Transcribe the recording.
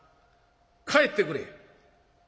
帰ってくれ」。